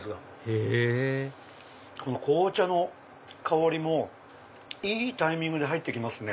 へぇ紅茶の香りもいいタイミングで入ってきますね。